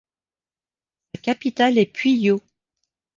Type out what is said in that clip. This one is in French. Sa capitale est Puyo.